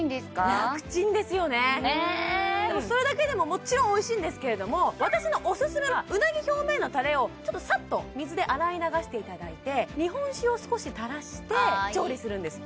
楽ちんですよねでもそれだけでももちろんおいしいんですけれども私のオススメはうなぎ表面のタレをちょっとサッと水で洗い流していただいて日本酒を少し垂らして調理するんです